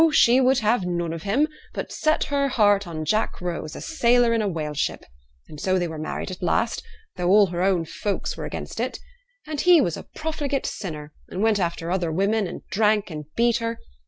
she would have none of him, but set her heart on Jack Rose, a sailor in a whale ship. And so they were married at last, though all her own folks were against it. And he was a profligate sinner, and went after other women, and drank, and beat her.